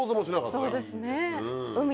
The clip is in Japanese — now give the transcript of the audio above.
そうですね。